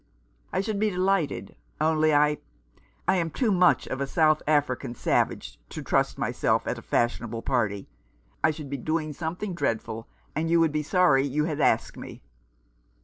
"I should be delighted — only I — I — I am too much of a South African savage to trust myself at a fashionable party. I should be doing some thing dreadful, and you would be sorry you had asked me."